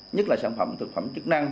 nhất là sản phẩm thực phẩm chức năng